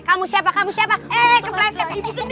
kamu siapa kamu siapa eh ke kresek ke